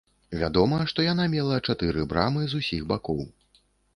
Вядома, што яна мела чатыры брамы з усіх бакоў.